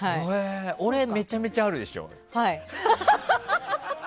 俺、めちゃくちゃあるでしょ？